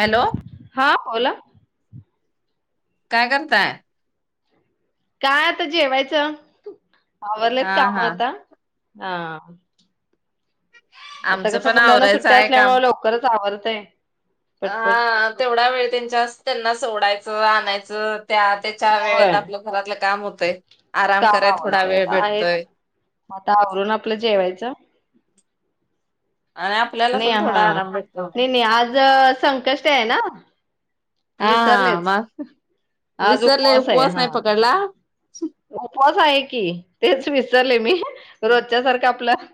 Hello हा बोला काय करताय. काय आता जेवायचं. आवरलेत हा काम हा आता हा आता आमचं कसं पण मुलांना आवरायचं सुट्ट्या आहे काम असल्यामुळ लवकरच आवरतय. तय हा तेवढा वेळ त्यांच्या त्यांना सोडायच. च आणायचं त्या त्याच्या वेळेत होय. आपलं घरातलं काम होतंय आराम काम कराय थोडा आवरतय वेळ आता आहेत. भेटतोय. मग आता आवरून आपलं जेवायचं. आणि आपल्याला नाही पण थोडा हां आराम भेटतो नाही नाही आज संकष् टी आहे ना. आ विसरलेच. मग आज विसरले, आहे उपवास हा. नाही पकडला? उपवास आहे की. तेच विसरले मी, रोजच्या सारखं आपलं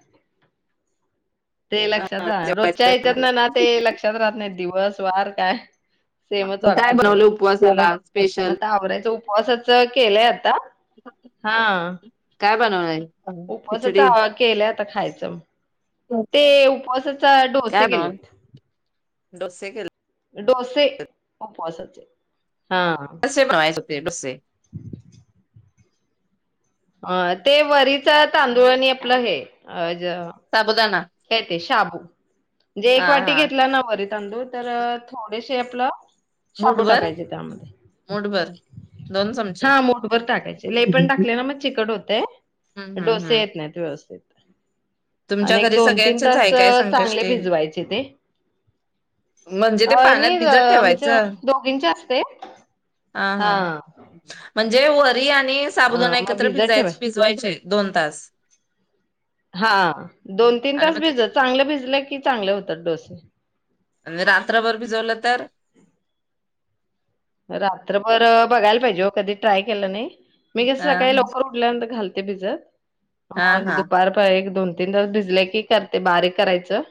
ते लक्षात राह रोजच्या जेवायचंय म्हणालाय याच्यातनं ना ते लक्षात राहत नाही दिवस, वार काय. सेमच मग काय वाटत सगळं. बनवलं उपवासाला मग स्पेशल आता आवरायचं उप उपवासाचं केलंय आ ता हां. काय बनवलंय? उपवासाचं खिचडी आ केल्यात. आता खायचं. ते उपवासाचा डोसे काय बनवल केेलेत. डोसे केले डोसे उपवासाचे. हा डोसे बनायेसो, हते डोसे. अ ते वरीच तांदूळ आणि आपलं हे अ ज साबुदाणा काय ते शाबू. जे हा एक वाटी हा घेतलं ना वरी तांदूळ तर थोडेसे ते आपलं शाबू मूठभर टाकायचे त्यामध्ये. मूठभर दोन चमचे हां मुठभर टाकायचे, लय हम्म पण टाकले ना मग चिकट होतंय. हम्म डोसे हम्म येत नाहीत व्यवस्थित. तुमच्या आणि घ एक दोन तीन तास चांगले भिजवायचे ते. म्हणजे ते आ पाण्यात नाही ग भिजत आमचं ठेवायचं दोघींचे असतंय. हां. जे व री आणि साबुदाणा एकत्र भिजाय ठेवाय भिजवायचंय. दोन तास. हां दोन तीन आणि तास मग ते भिजत, चांगले भिजले की चांगले होतात डोसे. रात्रभर भिजवलं तर? रात्रभर बघायला पाहिजे ओ, कधी ट्राय केलं नाही. मी हा कसं सकाळी लवकर उठल्यानंतर घाल ते भिजत. हा मग हा दुपारपार एक दोन तीन दिवस भिजले की करते, बारीक करायचं.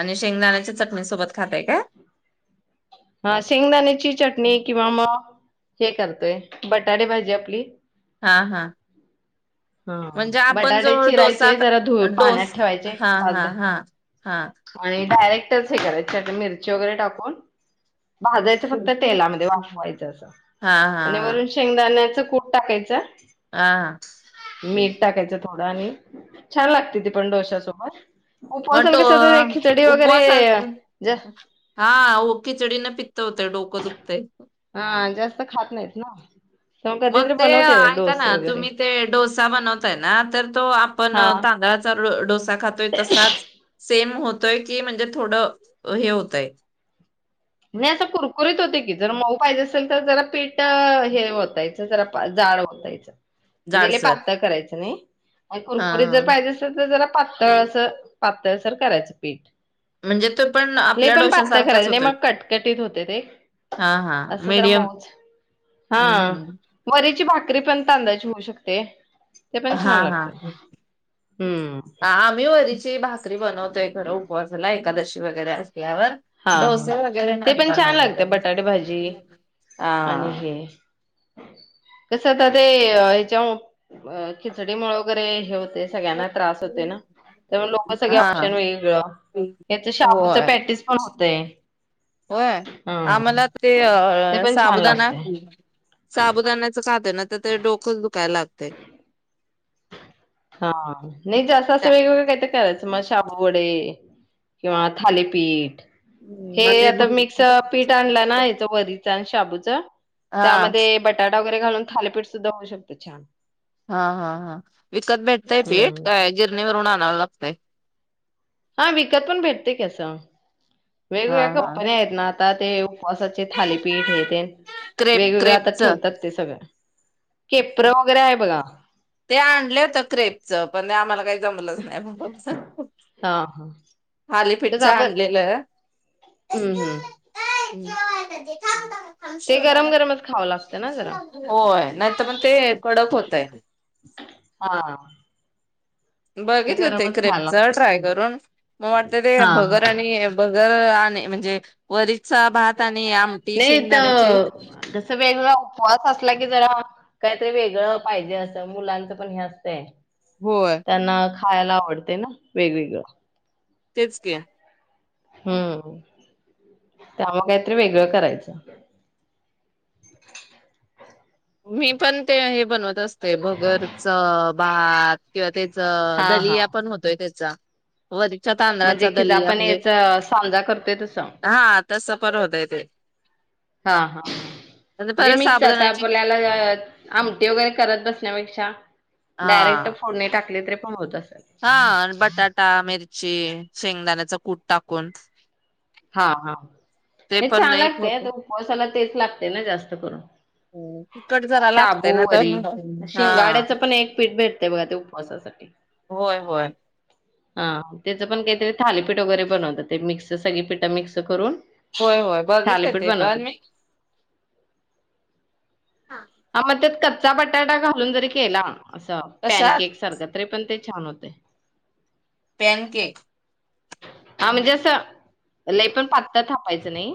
आणि शेंगदाण्याच्या चटणी सोबत खाताय काय? हां शेंगदाण्याची चटणी किंवा मग हे करतोय, बटाटे भाजी आपली. हां हां. हा म्हणजे आपण जो बटाटे डोसा चिरायचे जरा धु डोस पाण्यात ठेवायचे हां पाच हां हां हां. शेवट हे करायचे, त्यात मिरची वगैरे टाकून भाजायच हा फक्त तेलामध्ये वाफवायच असं हा आणि हा वरून शेंगदाण्याच कूट टाकायचं. हा हा मीठ टाकायचं. थोडं आणि छान लागते ती पण डोश्यासोबत. म्हनटो उपवासाला कसं तर खिचडी ओ उपवासल वगैरे जा [unintelligible] हा वू खिचडीन पी त्त होतंय डोकं दुखतंय. हा जास्त खात नाहीत ना. तर मग कधीतरी ते बनवते ऐका ना डोसे वगैरे तुम्ही ते डोसा बनवताय ना तर तो आपण हा तांदळाचा ळ डोसा खातोय तसाच सेम होत तंय की म्हणज थोडं हे होतंय? नाही असं कुरकुरीत होते की जर मऊ पाहिजे असेल तर जरा पीठ हे ओतायच सा जरा पा जाड ओतायच. जे लई जाडसर पातळ करायचं नाइ. म हा कुरकुरीत हा जर पाहिजे असेल तर जरा पातळ असं पातळसर करायचंग पीठ. म्हणजे तो पण आपल्या डोश्यासारखाच होतोय. कटीण होतंय ते हा हा अस जरा मीडियम मऊच हा हम्म हम्म वरीची भाक करी पण तांदळाची होऊ शकते. ते पण हा छान हा लागते. हम्म. आम्ही वरीची भा करी बनवते खरं उपवासाला एकादशी वगैरे अस हा ह ते पण छान बनवत लागते कधी. बटाटे भाजी आणि हा हे तेय ह्याच्या अ खिचडीमुळे वगैरे हे होते सगळ्यांनाच त्रास होतय ना तेव्हा लोक सगळे हा ऑप्शन [unintelligible] त्यांच शाबूचं होय. पॅटीस होतेय. होय, आम्हाला ते ते अ पण छान साबूदाना लागतय. साबुदाण्याच खातोय नायतर ते डोकच दुखाय लागतंय. हा नाही ते असं असं वेगळवेगळं काहीतर करायचं. म शाबू वडे किंवा थालीपीठ हम्म हे मग ते आता ब- मिक्स पीठ आणला ना इथं वरीच शाबूचं हा त्यामध्ये बटाटा वगैरे घालून थालीपीठ सुद्धा होऊ शकत छान. हा हा हा विकत भेटतय पीठ हम्म काय गिरणीवरूनआन नाव लागतय. हा विकत पण भेटतय की आस. हा वेगवेगळ्या हा कंपन्या आहेत ना. त ते उवासाचे थालीपीठ हे तेन क्रेप वेगवेगळं आता क्रेपच ठेवतात ते सगळं केपर वगैरे आहे बघा ते आणले होत क्रेपचं पण आम्हाला काही मलाच नाही बा सां हा हा तसं थालीपीठचं आपण आणलेलं. हम्म हम्म [inaudible] ते गरम गरमच खावं लागतं ना जरा होय नाहीतर पण ते कडक होत. ईथ. हा. बघितलं ते गरमच खायला क्रेपच लागते ट्राय करून मग वाटलं ते हा हा भगर आणि भगर नाही म्हणजे वरीचा भात. आणि आमटी नाही शेंगदाण्याचे तर तस वेगळा उपवास असला की जरा. काहीतरी वेगळं पाहिजे असं मुलांचं पण हे असतंय. होय त्यांना. खायला आवडते ना वेगवेगळं. तेच की. हम्म त्यामुळे काहीतरी वेगळं करायचं. मी पण ते हे बनवत असते. ते भगरच. भात. किंवा त्याच हा हा दलिया पण होतोय त्याचा वरीच्या म्हणजे तांदळाचा कि दलिया आपण म्हणजे याचा सांजा करतोय तसं हा तस. परर होतय ते हा हा आणि म्हणे परत मिक्स आता साबुदाण्याची आपल्याला आमटी वगैरे करत बसण्यापेक्षा हा डायरेक्ट फोन नाही टाकली तरी. काम होत. हा बटाटा मिरची. शे शेंगदाण्याचा कूट टाकून. हा हा ते हे पण छान एक लागतंय होत आता उपवासाला. तेच लागतंय ना जास्त करून. तिखट जरा लागतय शाबू ना तर वरी हा शिंगाड्याचं पण एक पीठ भेटतेय बघा ते एक उपवासासाठी. होय होय हा त्याचं पण काहीतरी थालीपीठ वगैरे बनवतात ते मिक्स सगळी पीठ ठ मिक्स करून. होय होय बघितलंय थालीपीठ ते पण बनवतात मी. हा मग त्यात कच्चा बटाटा घालून जरी केला. असं पॅन कशात केक सारखं तरी पण ते. छान होतंय. पॅनकेक. हा म्हणजे असं लय पण पातळ थापायचं न‌ई.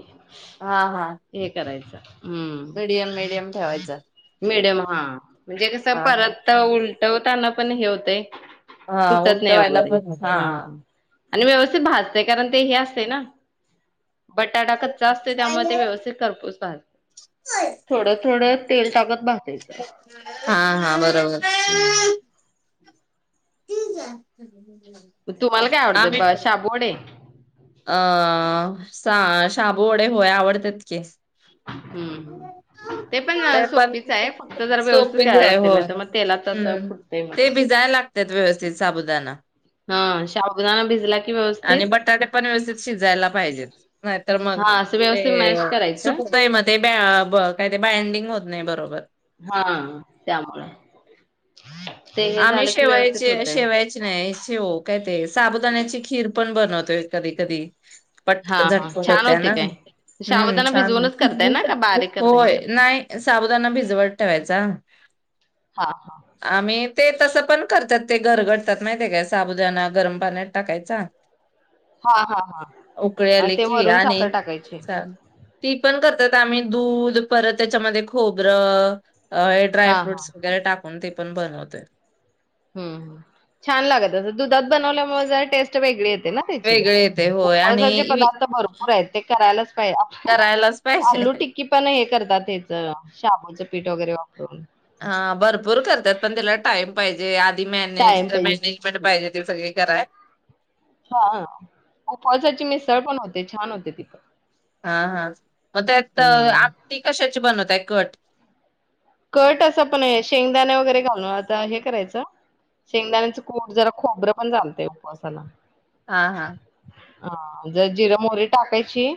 हा हा हे करायचं. हम्म मीडियम मीडियम ठेवायचं. मिडियम हा. म्हणजे कसं हा परत उलट टवताना पण हे होतेयं. हा उलटं व्हायला पण हा. आणि व्यवस्थित भाजतयं कारण ते हे असतयं ना. बटाटा कच्चा असतोय त्यामुळे ते व्यवस्थित खरपूस भाजतयं थोडं थोडं. तेल टाकत. भाजायचं हा हा बरोबर. हम्म ठीक आहे. तुम्हाला काय आवडतं शाबूवडे. आ. चा शाबू वडे होय आवडत्यात की. हम्म हम्म ते पण सोपीच आहे फक्त जर व्यवस्थित सोपेच करायला आहे होय. नाहीतर मग तेलात असं हम्म फुटतय मग सगळं. भिजायला लागतात ते व्यवस्थित साबुदाणा. हा शाबूदाना भिजला की आणि व्यवस्थित. बटाटे पण व्यवस्थित शिजायला पाहिजेत नाहीतर मग हा असं ते व्यवस्थित मॅश करायचं सुकतंय मग ते ब- काय ते बाईंडिंग होत नाही बरोबर. हा त्यामुळे. ते हे आम्ही झालं की व्यवस्थित शेवायचे होतय शेवायचे नाही शेव काय ते साबुदाण्याची खीर पण बनवतो. तर कधी कधी पट हा हा झटपट छान होत्या होते ना काय हम्म! साबुदाणा छान भिजवूनच करताय ना का बारीक करताय हे होय, करताय नाही साबुदाना भिजवत ठेवायचा. हा हा आम्ही ते तसं पण करते, ते घरगडतात माहितीय काय साबुदाना गरम पाण्यात टाकायचा हा हा हा उकळी आणि आली ते कि वरून आणि साखर टाकायची [unintelligible] ती पण करते. त्यात आम्ही दूध परत त्याच्यामध्ये खोबरं हेड्राय हा हा फ्रूटस वगैरे टाकून ते पण बनवते. हम्म! छान लागत अस दुधात बनवल्यामुळे जरा टेस्ट वेगळी येते. वेगळे येते होय आणि उपवासाचे जे वि- पदार्थ भरपूर आहेत, ते करायलाचं पाहिजे करायलाच पाहिजे. आलू टिक्की पण हे करतातच, ह्याच शाबुच. पीठ वगैरे वापरून हा भरपूर करतात, पण तेला टाईम पाहिजे. मँनेज टाइम पाहिजे [unintelligible] सगळी कराय हा उपवासाची मिसळ पण होते, छान होते ती. हा हा मग त्यात आपती कशाची बनवतात. [unintelligible] कट असं पण शेंगदाणे वगैरे घालून आता हे करायचं, शेंगदाण्याचं कोट जरा खोबरं पण चालतं उपवासाला. हा हा ह जर जिर मोरी टाकायची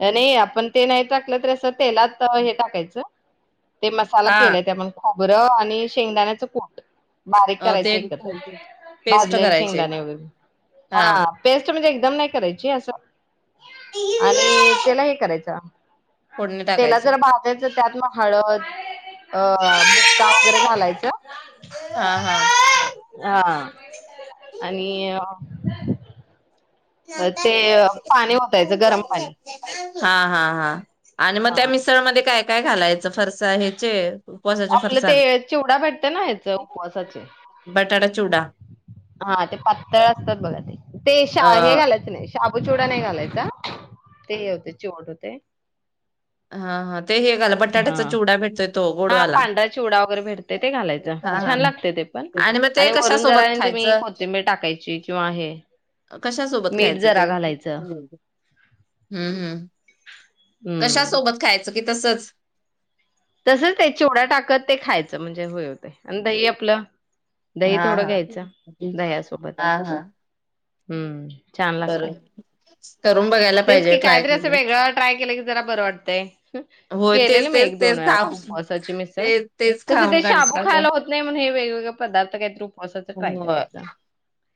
नाही, आपण ते नाही टाकलं त असं तेलात हे टाकायचं. ते मसाला केलाय, हा बरं आणि शेंगदाण्याचं कुट बारीक करायची ते एकत्र पेस्ट भाजलेले करायचे शेंगदाणे वगैरे हा पेस्ट म्हणजे दम नाही करायची असं आणि त्याला हे करायचं फोडणी तेलात जरा टाकायचे भाजायचं त्यात मग हळद अ बुक्का वगैरे चालायचा. हा हा हा आणि अ ते पाणी ओतायचं गरम पाणी. हा हा हां आणि मग त्या हा मिसळमध्ये काय? काय घालायचं, फरसा ह्याचे उपवासाचे आपलं ते फरसाण चिवडा भेटत ना याच उपवासाचे बटाटा चिवडा हा ते पातळ असतात. बघा ते अ तेशा हे घालायचं नाही. शाबू चिवडा नाही घालायचं, ते होते चिवट होतयं. हा हा ते हेघला बटाट्याचा चिवडा भेटतोय तो हा गोडवाला पांढराच चिवडा वगैरे भेटते ते घालायचं हा हा छान लागते ते पण मग ते आणि वरून जरा कशासोबत आणि तुम्ही खायचं? कोथिंबीर टाकायची किंवा हे कशा सोबत मीठ खायचं ते् जरा घालायचं ह्मं ह्मं कशा हम्म सोबत खायच? की तसच तसंच ते चिवड्या टाकत ते खायचं म्हणजे होय होते आणि दही आपलं दही हा थोडं हा घ्यायचं दह्यासोबत हा हा हम्म छान बर लागते हच् [unintelligible] तेच की कायतरी अस वेगळं ट्राय केलं की जरा बरं वाटतय होय केलेल तेच मी तेच एक दोन तेच वेळा खाऊन उपवासाची मिसळ ते तेच कस ते खाऊन शाबू कंटाळा येतो. खायला होत नाही म्हणून हे वेगवेगळे पदार्थ कायतर होय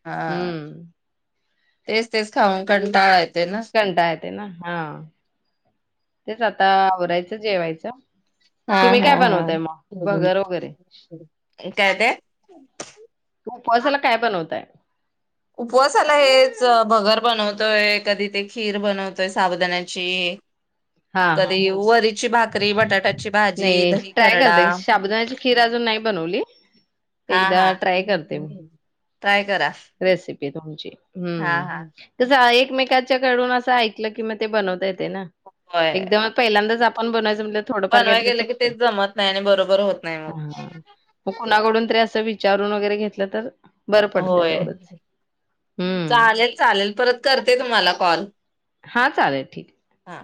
हा हम्म तेच तेच खाऊन कंटाळा यो ते ना ते ना हा तेच आता आवरायचं जेवायचं हा तुम्ही हा काय हा बनवताय मग भगर वगैरे काय ते उपवासाला काय बनवताय? उपवासाला हेच भगर बनवत तोय कधी ते खीर बनवतोय साबुदाण्याची हा हा कधी वरीची भाकरी बटाट्याची भाजी, नाही दही, ट्राय खरडा करते साबुदाण्याची खीर अजून नाही बनवली हा एकदा हा ट्राय करते मी. ट्राय करा रेसिपी तुमची हा हम्म हा कसं एक- एकमेंकाच्याकडून असं ऐकलं की मग ते बनवता येत तय न होय एकदम पहिल्यांदा पण बन म्हणल थोडं फार बनवाय कायतरी गेलं की चुकतय तेच जमत नाही आणि बरोबर होत नाही ह मग. मग कुणाकडून तरी अस वि विचारुन वगैरे घेतलं तर बरं पडल होय चालेल चालेल परत करते तुम्हाला फो कॉल हा चालेल ठीक हा